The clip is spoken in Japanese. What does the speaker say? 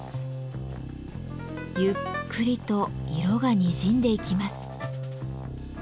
ゆっくりと色がにじんでいきます。